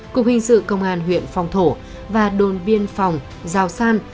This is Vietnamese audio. cục hình sự công an huyện phong thổ và đồn biên phòng giao san